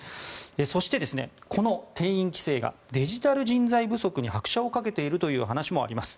そして、この定員規制がデジタル人材不足に拍車を掛けているという話もあります。